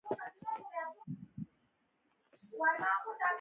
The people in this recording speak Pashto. د سولې سپین وزرونه به پر افغان وطن خپاره شي.